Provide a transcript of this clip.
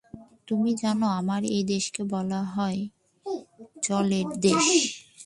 তুমি জান, আমার এই দেশকে বলা হয় জলের দেশ।